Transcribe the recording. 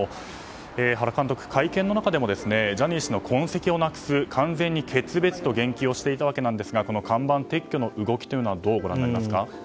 原監督、会見の中でもジャニー氏の痕跡をなくす、完全に決別と言及していたんですが看板撤去の動きはどうご覧になりますか？